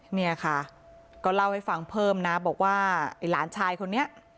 เนี่ยค่ะก็เล่าให้ฟังเพิ่มนะบอกว่าไอ้หลานชายคนนี้